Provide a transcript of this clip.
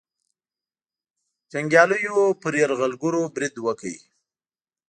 جنګیالیو پر یرغلګرو برید وکړ.